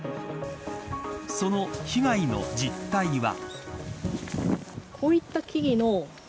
その被害の実態は。